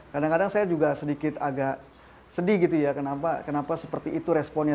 kadang kadang saya juga sedikit agak sedih gitu ya kenapa seperti itu responnya